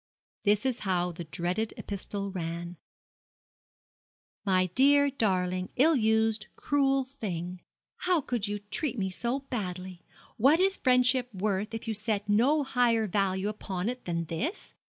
This is how the dreaded epistle ran: 'My dear darling, ill used, cruel thing, 'However could you treat me so badly? What is friendship worth, if you set no higher value upon it than this?